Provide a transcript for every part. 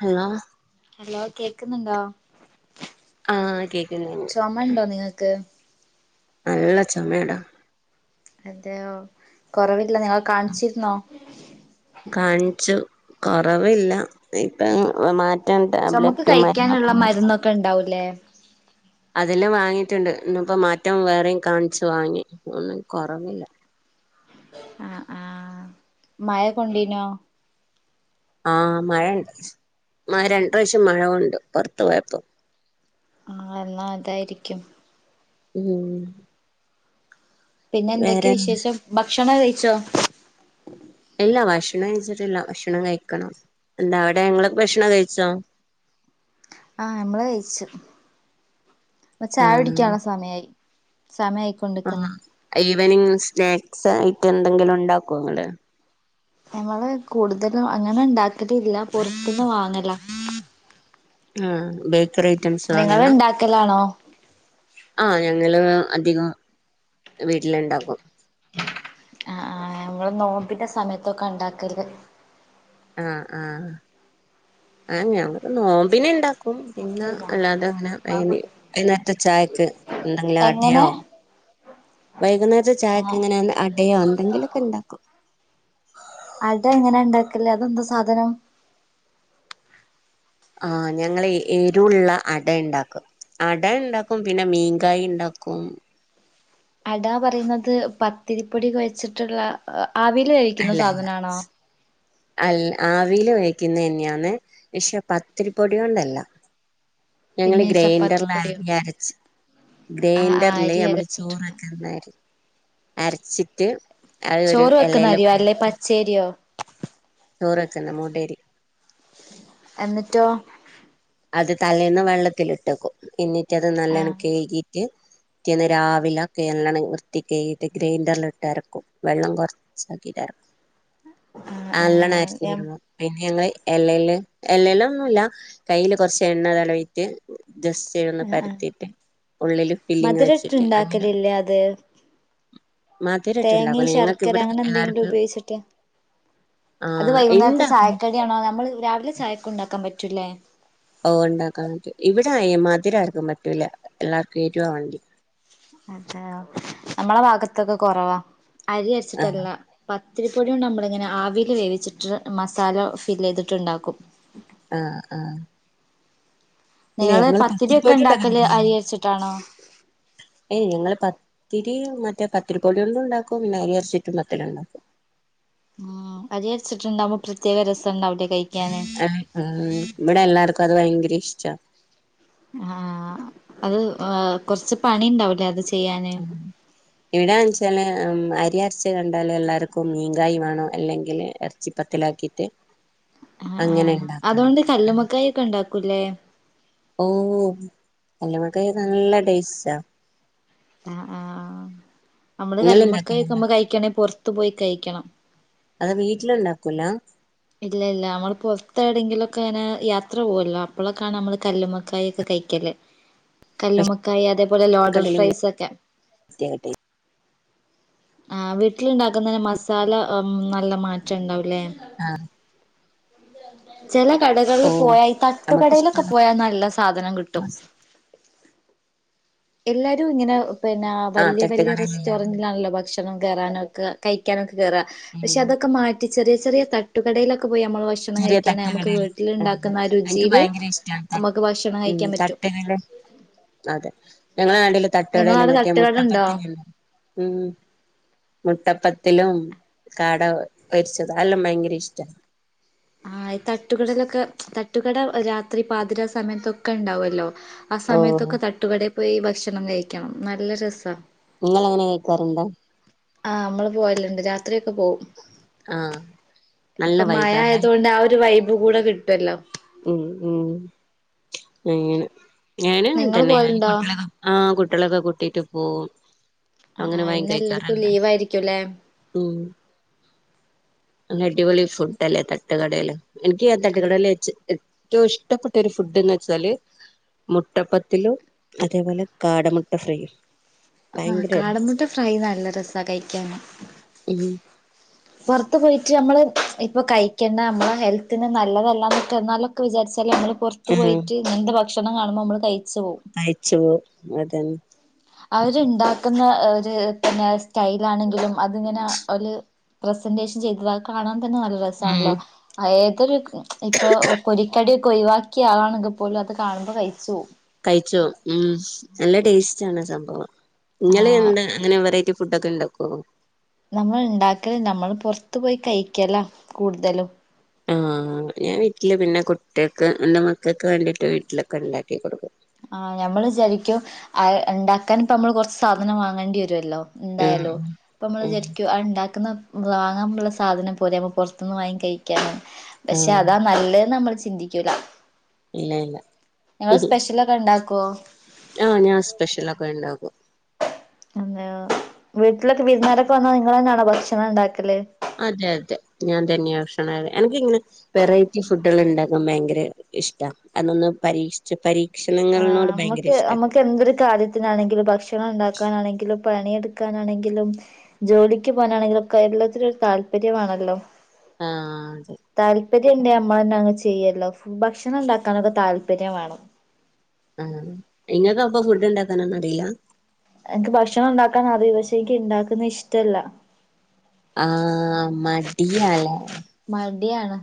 Hello... hello കേക്കുന്നുണ്ടോ? ആഹ കേക്ക് - ചോമ ഉണ്ടോ നിങ്ങൾക്ക്? നല്ല ചോമേടാ. അതെയോ, കുറവില്ല നിങ്ങൾ കാണിച്ചിരുന്നോ? കാൺച്ചു കൊറവില്ല ഇപ്പൊ മാ റ്റാൻ ടാബ്ലറ്റും മരുന്നൊക്ക മതി ക്ക ണ്ടാവുല്ലേ. അതെല്ലാം വാങ്ങിറ്റ്ണ്ട് ഇന്ന് ഇപ്പം മാറ്റം വേറെയും കാണിച്ചു വാങ്ങി ഒന്നും കൊറവില്ല. ആഹ് ആഹ് മയ കൊണ്ടീനോ? ആഹ് മയ ണ്ട്. മയ രണ്ട് പ്രാവിശ്യം മഴ കൊണ്ടു പുറത്ത് പോയപ്പം ആഹ് ഇന്നാ അതായിരിക്കും. ഉം പിന്നെന്തൊക്കെ വേറെ വിശേഷം ഭക്ഷണക്കെ കഴിച്ചോ? ഇല്ല ഭക്ഷണം കഴിച്ചിട്ടില്ല ഭക്ഷണം കഴിക്കണം. എന്താ അവടെ ഇങ്ങളൊക്കെ ഭക്ഷണം കഴിച്ചോ? ആഹ് നമ്മള് കയിച്ച്. ഇപ്പോ ചായ ആഹ് കുടിക്കാനുള്ള സമയായി. സമയായ്ക് ആഹ് ഈവനിങ് സ്നാക്സ് ആയിട്ടെന്തെങ്കിലും ഉണ്ടാക്കോ ഇങ്ങള്? ഞങ്ങള് കൂടുതലും അങ്ങനെ ഇണ്ടാക്കലില്ല പുറത്ത്ന്ന് വാങ്ങലാ ആഹ് ബേക്കറി ഐറ്റംസ് നിങ്ങൾ വാങ്ങലാ? ഉണ്ടാക്കലാണോ ആഹ് ഞങ്ങള് അധികം വീട്ടില് ണ്ടാക്കും. ആഹ് ആഹ് ഞമ്മൾ നോമ്പിന്റെ സമയത്തൊക്കാ ഉണ്ടാക്കല് ആഹ് ആഹ്. ആഹ് ഞങ്ങള് നോമ്പിനിണ്ടാക്കും പ്പൊം പിന്നെ അല്ലാതങ്ങനെ വൈന്നേ വൈന്നേരത്തെ ചായക്ക് എന്തെങ്കിലടയോ എങ്ങനെ വൈകുന്നേരത്തെ ചായക്ക് ആഹ് ഇങ്ങനെ അ ടയോ എന്തെങ്കിലൊക്കെ ണ്ടാക്കും. അട എങ്ങനെ ഇണ്ടാക്കല് അതെന്ത സാധനം? ആഹ് ഞങ്ങളെ എരുള്ള അട യ്ണ്ടാക്കും അടയ്ണ്ടാക്കും പിന്നെ മീൻകായിണ്ടാക്കും. അടാ പറയുന്നത് പത്തിരിപ്പൊടി കൊഴച്ചിട്ടുള്ള ആവില് വേവിക്കുന്ന സാധനാണോ അൽ ആവില് വേവിക്കുന്നന്നെയാന്ന്. പക്ഷെ പത്തിരിപ്പൊടിയോണ്ടല്ല ഞങ്ങള് പിന്നെ ചപ്പാത്തി ഗ്രൈൻഡർലാ പൊടിയോ റി അരച്ച് ആഹ് ആഹ് ഗ്രൈൻഡറില് അരി നമ്മള് ചോറ് അരച്ചിട്ടുള്ള വെക്കുന്ന അരി അരച്ചിട്ട് അത് ഒരു ചോറ് വെക്കുന്ന എലയില് അരിയോ അല്ലെയ് പരത്തി പച്ചെര്യോ ചോറ് വെക്കുന്ന മുടെരി എന്നിട്ടോ അത് തലേന്ന് വെള്ളത്തിലിട്ടക്കും എന്നിട്ടത് നല്ലേണം ആഹ് കേയ്കി റ്റ് പിറ്റേന്ന് രാവിലെ ഒക്കെ എള്ളണം വൃത്തി കെയ്കീട്ട് ഗ്രൈൻഡറിലിട്ട് അരക്കും. വെള്ളം കൊർ ച്ചാക്കിട്ടരക്കും. ആഹ് നല്ലണം ആഹ് അരഞ്ഞ് ഞാൻ വരുമ്പം പിന്നെ ഞങ്ങള് എലേല് എലേലൊന്നൂല്ല കയ്യില് കൊറച്ച് എണ്ണ തടവിട്ട് ജസ് റ്റ് ഇതൊന്ന് ആഹ് ആഹ് പരത്തിട്ട് ഉള്ളില് ഫില്ലിങ് വെച്ചിട്ട് അങ്ങെനെ തേങ്ങെ ഞങ്ങൾക്ക് ശർക്കര ഇവിടെ അങ്ങനെ എന്തെങ്കിലും എല്ലാർക്കും ഉപയോഗിച്ചിട്ട് അത് ആഹ് വൈകുന്നേരത്തെ ഇണ്ടാക്കും ചായക്കടിയാണോ നമ്മൾ രാവിലെ ചായക്കുണ്ടാക്കാൻ പറ്റുംല്ലേ. ഓഹ് ഉണ്ടാക്കാൻ പറ്റും. ഇവടെ അയ് മധുര ആർക്കും പറ്റൂല എല്ലാർക്കും എരുവാ വാണ്ടിയേ. അതെയോ. നമ്മള ഭാഗത്തൊക്കെ കൊറവാ. അരി ആഹ് അരിച്ചിട്ടല്ല പത്തിരിപ്പൊടിയോണ്ടമ്മളിങ്ങനെ ആവില് വേവിച്ചിട്ട് മസാല ഫില്ലെയ്തിട്ട് ഇണ്ടാക്കും. ആഹ് ആഹ് ഇല്ല നിങ്ങള് ഞങ്ങള് പത്തിരി ഒക്കെ പത്തിരിപ്പൊടിയോണ്ടങ്ങനെ ഉണ്ടാക്കല് അരി ഇണ്ടാവെല്ല. അരച്ചിട്ടാണോ ഏയ് ഞങ്ങള് പ ത്തിരി മറ്റേ പത്തിരിപൊടിയൊണ്ടും ഉണ്ടാക്കും പിന്നെ അരി അരച്ചിറ്റും പത്തിരിണ്ടാക്കും ഉം അരി അരിച്ചിട്ടിണ്ടാവുമ്പം പ്രത്യേക രസണ്ടാവൂലെ കഴി ആഹ് ആഹ്. ഇവടെ എല്ലാർക്കും അത് ഭയങ്കര ഇഷ്ടാ. ആഹ് അത് ഓഹ് കൊറച്ച് പണിയുണ്ടാവൂലേ അത് ചെയ്യാന്. എവിടെന്ന് വെച്ചാൽ അരി അരച്ച ഇവിടാൺച്ചാല് അരിയരച്ചു കണ്ടാലെല്ലാര്ക്കും മീങ്കായ് വേണം. അല്ലെങ്കില് എർച്ചിപ്പത്തിലാക്കിട്ട് ആഹ് ആഹ് അതുകൊണ്ട് കല്ലുമക്കായൊക്കെണ്ടാക്കൂല്ലേ ഓഹ് കല്ലുമ്മക്കായ് നല്ല ടേസ്റ്റാ ആ ആഹ് നമ്മള് നിങ്ങള് കല്ലുമ്മക്കായ്ക്ക ഉണ്ടാക്കലുണ്ടോ മ്മ ക്കഴിക്കണെ പൊർത്ത് പോയി കഴിക്കണം അത് വീട്ടിലുണ്ടാക്കൂല ഇല്ല ഇല്ല നമ്മള് പുറത്തേടെങ്കിലുക്കെനെ യാത്ര പോവല്ലോ, അപ്പോളൊക്കാണ് അമ്മള് കല്ലുമ്മക്കായക്കെ കഴിക്കല് റേഷൻ കല്ലുമക്കായ അതേപോലെ ലോഡർ കടയിലും ഫ്രൈസ് ഒക്കെ കിട്ടിയാ ആഹ് വീട്ടിലുണ്ടാക്കുന്നേ മസാല അം നല്ല മാറ്റംണ്ടാവുലേ ആഹ് ചെല ഓ കടകൾല് പോയാ ഈ തട്ടുകടയിലൊക്കെ നമുക്കിഷ്ടാണ് പോയാ നല്ല സ് സാധനം കിട്ടും. എല്ലാരു ഇങ്ങനെ പിന്നാ ആഹ് വല്യ വല്യ തട്ടുകടയിലല്ലാതെ റെസ്റ്റോറന്റിലാണല്ലോ ഭക്ഷണം കേറാനൊക്കെ കഴിക്കാനൊക്കെ കേറാ പക്ഷെ ഉം അതൊക്കെ മാറ്റി ചെറിയ ചെറിയ തട്ടുകടയിലക് ക്ക് പോയി നമ്മള് ഭക്ഷണം ചെറിയ കഴിക്കാണെ നമുക്ക് തട്ടുകടയില് അതെ വീട്ടില്ണ്ടാക്കുന്ന ആ എനിക്ക് രുചീല് നമ്മക്ക് ഭക്ഷണം കഴിക്കാൻ പറ്റും കയ്ഞ്ഞല്ലോ അതെ ഞങ്ങളെ നാട്ടില് തട്ടുകടയില് നിങ്ങളവിടെ മറ്റേ തട്ടുകടണ്ടോ? മുട്ടപ്പത്തിരിണ്ടാവും ഉം മുട്ടപ്പത്തലും കാട പൊരിച്ചത് അഎല്ലം ഭയങ്കര ഇഷ്ടാ ആഹ് ഈ തട്ടുകടലൊക്കെ തട്ടുകട രാത്രി പാതിര സമയത്തൊക്കെ ണ്ടാവല്ലോ ആ ഓഹ് സമയത്തൊക്കെ തട്ടുകടയി പോയി ഭക്ഷണം കഴിക്കണം. നല്ല രസാ നിങ്ങളങ്ങനെ കഴിക്കാറുണ്ടോ ആഹ്, അമ്മള് പോവല്ണ്ട്, രാത്രിയൊക്കെ പോവും ആഹ് നല്ല ഇപ്പൊ വൈബാല്ലേ മയായതുകൊണ്ട് ആ ഒരു വൈബ് കൂടെ കിട്ടൊല്ലോ ഉം ഉം അങ്ങനെ ഞാനും നിങ്ങള് അങ്ങൻതന്നെ പോവലുണ്ടോ? ആ കുട്ടികളൊക്കെ കൂട്ടിട്ട് പോവും അങ്ങനെ പയം കഴിക്കാറ്ണ്ട്. ചെല ഉം നല്ലടിപൊളി ഫുഡ്ഡല്ലേ തട്ടുകടേല്. എനിക്ക് തട്ടുകടേലേച് എ റ്റു ഇഷ്ടപ്പെട്ട ഒരു ഫുഡ്ന്ന് വെച്ചാല് മുട്ടപ്പത്തിലും അതേപോലെ കാടമുട്ട ഫ്രൈയും ആഹ് ഭയങ്കര കാടമുട്ട ഫ്രൈ നല്ല രസാ കഴിക്കാന് ഉം പൊർത്ത് പോയിട്ട് നമ്മള് ഇപ്പ കഴിക്കണ്ട നമ്മളെ ഹെൽത്തിന് നല്ലതെല്ലാ ന്നൊക്കെ എന്നാലും ഒക്കെ വിചാര്ച്ചാലും നമ്മൾ പുറത്ത് ആഹ് പോയിട്ട് ഇങ്ങൻത്തെ ഭക്ഷണം കാണുമ്പമ്മൾ കഴിച്ച് പോവും കഴിച്ച് പോവും. അതന്നെ അവര്ണ്ടാക്കുന്ന ഒരു പിന്നെ സ്റ്റൈലാണെങ്കിലും അതിങ്ങനെ ഒല് പ്രസന്റേഷൻ ചെയ്തതത് കാണാൻ തന്നെ നല്ല ര സാണല്ലോ. ഉം ഏതൊരു ഇപ്പൊ പൊരിക്കടിയൊക്കെ ഒഴിവാക് ക്ക്യാ ആളാണെങ്കി പോലും അത് കാണുമ്പോ കഴിച്ച് പോവും കഴിച്ച് പോവും ഉം. നല്ല ടേസ്റ്റാണാസംഭവം. ഇങ്ങള് ആഹ് എന്താ അങ്ങനെ വെറൈറ്റി ഫുഡ്ഡ് ഒക്കെണ്ടാക്കോ? നമ്മൾ ഉണ്ടാക്കല്ല്ല, അമ്മള് പൊർത്ത് പോയി കഴിക്കല കൂടുതലും ആഹ് ഞാൻ വീട്ടില് പിന്നെ കുട്യക്ക് എന്റെറെ മക്കക്ക് വേണ്ടിട്ട് വീട്ടിലൊക്കെണ്ടാക്കി കൊടുക്കും ആ ഞമ്മള് വിചാരിക്കും, അത് ണ്ടാക്കാൻ പ്പമ്മള് കൊർച്ച് സാധനം വാങ്ങണ്ടേരുവല്ലോ ആഹ് ന്തായാലു, അപ്പമ്മൾ ഉം വിചാരിക്കു ആ ഇണ്ടാക്കുന്ന വാങ്ങാൻള്ള സാധനം പോരെ നമ്മ പുറത്തുന്ന് വാങ്ങി കഴിക്കാന് പക്ഷെ ആഹ് അതാ നല്ലത് നമ്മൾ ചിന്തിക്കൂല. ഇല്ല ഇല്ല ഞങ്ങൾ സ്പെഷ്യലൊക് ക്കെണ്ടാക്കോ? ആഹ്. ഞാൻ സ്പെഷ്യലൊക്കെ ഇണ്ടാക്കും എന്ത വീട്ടിലൊക്കെ വിരുന്നേരൊക്കെ വന്നാ നിങ്ങ തന്നാണോ ഭക്ഷണം ഉണ്ടാക്കല് അതെ അതെ ഞാൻ തന്നെയാണ് ഭക്ഷണം എനക്ക്ങ്ങനെ വെറൈറ്റി ഫുഡുകൾ ഉണ്ടാക്കാ ഭയങ്കര ഇഷ്ടം അതൊന്ന് പരീക്ഷ പക്ഷ പരീക്ഷണങ്ങളിനോട് ഭയങ്കര ഇഷ്ട എന്തരു കാര്യത്തിനാണെങ്കിലും ഭക്ഷണം ഉണ്ടാക്കാനാണെങ്കിലും പണിയെടുക്കാനാണെങ്കിലും ജോലിക്ക് പോകാനാണെങ്കിലൊക്കെ എല്ലാത്തിനരു താല്പര്യമാണല്ലോ ആഹ് അതെ താല്പര്യംണ്ടേ അമ്മമാെ അങ്ങ് ചെയ്യല്ലോ ഭക്ഷണം ഉണ്ടാക്കാനൊക്കെ താല്പര്യം വേണം ആഹ് നിങ്ങൾക്ക് അപ്പൊ ഫുഡ് ഉണ്ടാക്കാനൊന്നും അറില്ല എനിക്ക് ഭക്ഷണം ഉണ്ടാക്കൻ അറിയൂ പക്ഷേക്ക് ഉണ്ടാക്കുന്ന ഇഷ്ടല്ല ആഹ് മടിയല്ലേ മടിയാണ്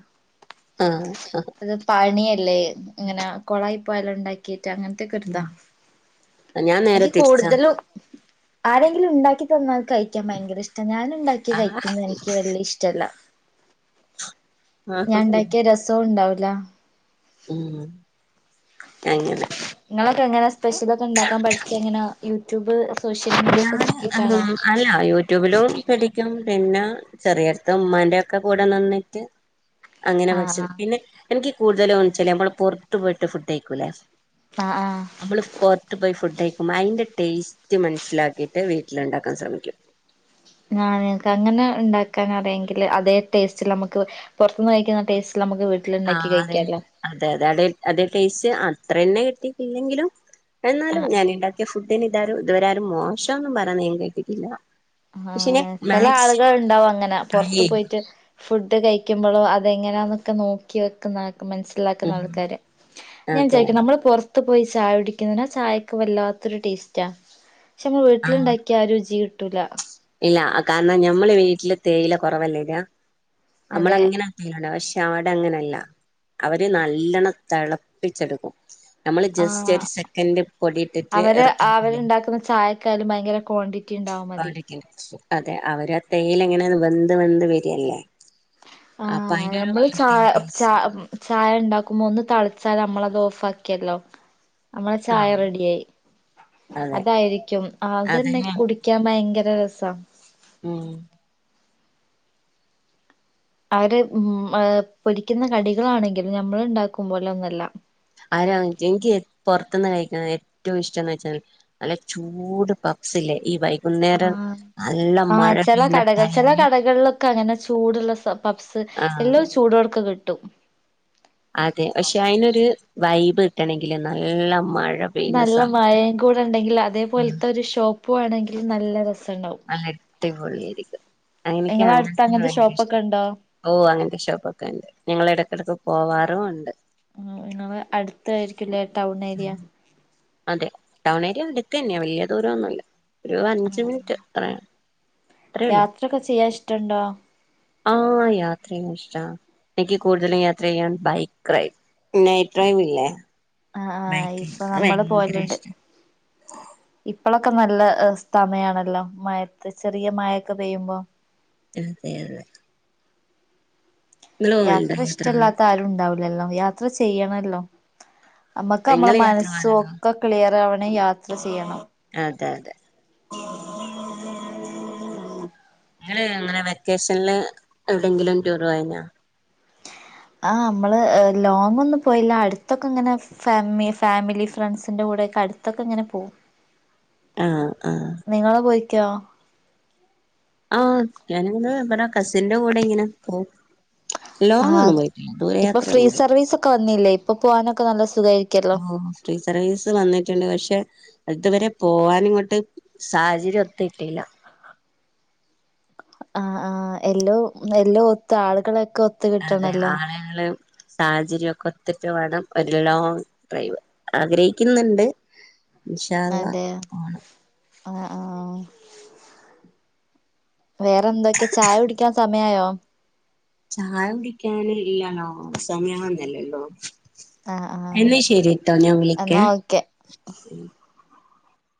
ആഹ് ആഹ് അത് പണിയല്ലേ ഇങ്ങനെ കൊളായി പോയാലാം ഉണ്ടാക്കിയിട്ട് അങ്ങനത്തൊക്കെ ഒരിതാ ഞാൻ നേരെ എനിക്ക് തിരിച്ചാ കൂടുതലും ആരെങ്കിലും ഉണ്ടാക്കി തന്നാൽ കഴിക്കാൻ ഭയങ്കര ഇഷ്ടാ ഞാൻ ഉണ്ടാക്കി കി ആഹ് കഴിക്കുന്നത് എനിക്ക് വലിയ ഇഷ് റ്റല്ല ഞണ്ടാക്കിയാ രസോം ഉണ്ടാവൂല ഉം എങ്ങനെ നിങ്ങളൊക്കെ എങ്ങനെ സ്പെഷ്യലൊക്കെ ഉണ്ടാക്കാൻ പഠിച്ചെങ്ങനെ യൂട്യൂബ് സോഷ്യൽ മീഡിയ ഒക്കെ ഞാന് നോക്കിട്ടാണോ അല്ല യൂ ട്യൂബിലും പിടിക്കും പിന്നെ ചെറിയടുത്ത് ഉമ്മാന്റെ ഒക്കെ കൂടെ നിന്നിട്ട് അങ്ങനെ പഠിച്ച ആഹ് പിന്നെ എനിക്ക് കൂടുതലും ഒന്നിച്ചല്ലേ നമ്മൾ പുറത്തു പോയിട്ട് ഫുഡ് കഴിക്കൂല്ലേ ആഹ് ആഹ് നമ്മള് പുറത്തു പോയി ഫുഡ് കഴിക്കുമ്പോൾ അതിന്റെ ടേസ്റ്റ് മനസ്സിലാക്കിയിട്ട് വീട്ടിലുണ്ടാക്കാൻ ശ്രമിക്കും ആഹ് അങ്ങനെ ഉണ്ടാക്കാൻ അറിയെങ്കിൽ അതേ ടേസ്റ്റിൽ നമുക്ക് പുറത്തു നിന്ന് കഴിക്കുന്ന ടേസ്റ്റിൽ നമുക്ക് വീട്ടിലുണ്ടാക്കി ആഹ് അതെ കഴിക്കാല്ലോ അതെ അതെ അ അതേ ടേസ്റ്റ് അത്ര തന്നെ കിട്ടിട്ടില്ലെങ്കിലും എന്നാലും ആഹ് ഞാൻ ഉണ്ടാക്കിയ ഫുഡിന് ഇതാരും ഇതുവരെ ആരും മോശന്നും പറയുന്ന ഞാൻ കേട്ടിട്ടില്ല പക്ഷെ ഞാൻ ആഹ് ഛെല ആളുകൾ മാക്സിമം ഉണ്ടാവും അങ്ങനെ ട്രൈ പുറത്ത് ചെയ്യും പോയിട്ട് ഫുഡ് കഴിക്കുമ്പോഴോ അതെങ്ങനാന്നൊക്കെ നോക്കി വെക്കുന്ന മനസ്സിലാക്കുന്ന ഉം ആൾക്കാര് ഞാൻ അതെ ചോദിക്കാ നമ്മള് പൊറ ഒത്ത് പോയി ചായ കുടിക്കുന്നാ ചായൊക്കെ വല്ലാത്തൊരു ടേസ്റ്റാ പക്ഷെ നമ്മൾ ആഹ് വീട്ടിലുണ്ടാക്കിയ ആ രുചി കിട്ടൂല ഇല്ല കാരണം ഞമ്മള് വീട്ടില് തേയില കുറവല്ലേ ഇടാനമ്മള അതെ അങ്ങനെ അ പക്ഷെ അവിടെ അങ്ങനെയല്ല അവര് നല്ലണ്ണം തിളപ്പിച്ചെടുക്കും നമ്മള് ജസ്റ്റ് ആഹ് ഒരു സെക്കൻഡ് പൊടിയിട്ടിട്ട് അവര് ഇറക്കി വെക്കില്ലേ അവരുണ്ടാക്കുന്ന ചായക്കാലും ഭയങ്കര ക്വാണ്ടിറ്റി പറ്റിയുണ്ടാവും മതി അടിക്കണം. അതെ അവര് തേയിൽ എങ്ങനെയ വെന്ത് വെന്ത് വരിയല്ലേ അപ്പൊ ആഹ് അയിന്റൊരു നമ്മൾ ച പ്രത്യേക ടേസ്റ്റ് ച വരും ചായണ്ടാക്കുമ്പോ ഒന്ന് തളച്ചാൽ നമ്മളത് ഓഫ് ആക്കിയല്ലോ നമ്മളെ ചായ ആഹ് റെഡിയായി അതെ അതായിരിക്കും ആ അത് തന്നെ അതന്നെ കുടി ക്കാൻ ഭയങ്കര രസ ഉം അവര് ഉം പൊരിക്കുന്ന കടികളാണെങ്കിലും ഞമ്മൾ ഉണ്ടാക്കും പോലെ ഒന്നല്ല ആരാ എനിക്ക് പുറത്തുന്ന് കഴിക്ക ഏറ്റവും ഇഷ്ടംന്ന് വെച്ചാൽ നല്ല ചൂട് പഫ്സില്ലേ ഈ വൈ ആഹ് ആഹ് ചില പെയ്യുന്ന കടകൾ ചില ടൈമിന് കടകളി അങ്ങനെ ചൂടുള്ള പഫ്സ് ആഹ് എല്ലാം ചൂടോടക്ക് കിട്ടും അതെ പക്ഷെ അതിനൊരു വൈബ് കിട്ടണങ്കില് നല്ല മഴ പെയ്യുന്ന നല്ല സമയത്ത് മഴയും കൂടെ ഉണ്ടെങ്കിൽ ആഹ് അതേപോലത്തെ ഒരു ഷോപ്പ് വേണെങ്കിൽ നല്ല രസുണ്ടാവും നല്ലട്ടി പൊളിയായിരിക്കും. അങ്ങനെയൊക്കെ നിങ്ങളെ അങ്ങന അടുത്ത് തന്നെ അങ്ങനത്തെ ഭയങ്കര ഇഷ്ടം. ഷോപ്പൊക്കെ ഉണ്ടോ ഓ അങ്ങനത്തെ ഷോപ്പൊക്കെയുണ്ട്. ഞങ്ങൾ ഇടക്കിടക്ക് പോവാറും ഉണ്ട് ആഹ് അതേ അടുത്തായിയിരിക്കുംല്ലേ ടൗൺ ഏരിയ? അതെ ടൗൺ ഏരിയ അടുത്ത് തന്നെയ വലിയ ദൂരം ഒന്നുല്ല. ഒരു അഞ്ച് മിനിറ്റ് അത്രയാണ്. യാത്രയൊക്കെ ചെയ്യാൻ ഇഷ്ടണ്ടോ? ആഹ്‌ യാത്രയും ഇഷ്ടാ. എനിക്ക് കൂടുതലും യാത്ര ചെയ്യാൻ ബൈക്ക് റൈഡ്. നൈറ്റ് ഡ്രൈവ് ഇല്ലേ? ആ ആഹ് ബൈക്ക് ഇപ്പൊ അത് നമ്മള് ഭയങ്കര പോയലുണ്ട്. ഇഷ്ട ഇപ്പഴൊക്കെ നല്ല സമയണല്ലോ മഴത്ത് ചെറിയ മഴയൊക്കെ പെയ്യുമ്പോ അതെ യതെ. യാത്ര ഇഷ്ടമല്ലാത്ത ആരും ഉണ്ടാവില്ലല്ലോ യാത്ര ചെയ്യണല്ലോ? നമ്മുക്ക് നമ്മളെ നിങ്ങള് യാത്ര മനസ്സു പോവലുണ്ടോ മൊക്കെ ക്ലിയർ ആവണെ യാത്ര ചെയ്യണം. അതെ അതെ [inaudible] ങ്ങള് അങ്ങനെ വെക്കേഷൽ എവിടെയെങ്കിലും ടൂറ് പോയിന്നാ? ആ മ്മള് ലോങ് ഒന്നും പോയില്ല അടുത്തൊക്കെ ഇങ്ങനെ ഫാമി ഫാമിലി ഫ്രണ്ട്സിൻ്റെ കൂടെയൊക്കെ അടുത്തൊക്കെ ഇങ്ങനെ പോവും. ആ ഹാ നിങ്ങള് പോയിക്കോ? ആഹ ഞാനിങ്ങനെ ഇവടെ കസിന്റെ കൂടെ ഇങ്ങനെ പോകും. ലോങ്ങൊന്നും പോയിട്ടില്ല ദൂരയാത്രയൊന്നും പോയിട്ടില്ല. ക്ക വന്നില്ലേ? ഇപ്പൊ പോവാനൊക്കെ നല്ല സുഖമായിരിക്കല്ലോ? ഓ ഫ്രീ സർവീസ് വന്നിട്ടുണ്ട്. പക്ഷെ ഇത് വരെ പോവാനിങ്ങോട്ട് സാഹചര്യം ഒത്തിട്ടില്ല. ആ ആ് എല്ലവും എല്ലോം ഒത്ത് ആളുകളൊക്കെ ഒത്ത ആ അതെ ആളുകള് സാഹചര്യക്കെ ഒത്തിട്ട് വേണം ഒരു ലോങ് ഹൈവ ആഗ്രഹിക്കുന്നുണ്ട്. ഇൻഷാ അള്ളാ അതെ പോണം ആ ആ ആഹ. വേറെന്തൊക്കെ ചായ കുടിക്കാൻ സമയയോ? ചായ കുടിക്കൻ ഇല്ലല്ലോ സമയാവുന്നല്ലെള്ളൂ. ആഹ് ആഹ് എന്നാ ശെരിട്ടോ ഞാൻ വിളിക്കെ. എന്നാ ഓക്കെ